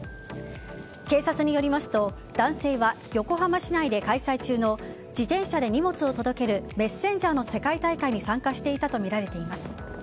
警察によりますと男性は横浜市内で開催中の自転車で荷物を届けるメッセンジャーの世界大会に参加していたとみられています。